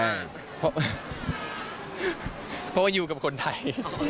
เพราะว่าอยู่กับคนไทย